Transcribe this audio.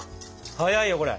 早いよこれ！